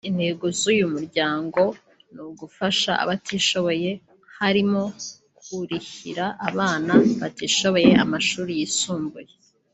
Intego z’uyu muryango ni ugufasha abatishoboye harimo kurihira abana batishoboye amashuri yisumbuye